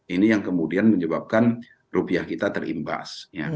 ini yang kemudian menyebabkan rupiah kita terimbas